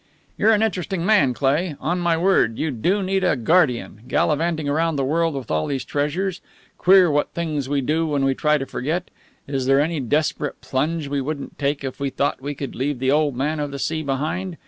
"You're an interesting man, Cleigh. On my word, you do need a guardian gallivanting round the world with all these treasures. Queer what things we do when we try to forget. Is there any desperate plunge we wouldn't take if we thought we could leave the Old Man of the Sea behind?